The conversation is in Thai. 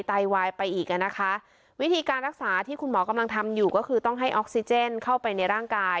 ไตวายไปอีกอ่ะนะคะวิธีการรักษาที่คุณหมอกำลังทำอยู่ก็คือต้องให้ออกซิเจนเข้าไปในร่างกาย